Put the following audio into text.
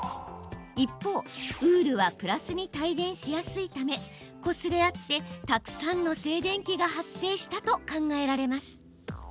一方、ウールはプラスに帯電しやすいためこすれ合ってたくさんの静電気が発生したと考えられます。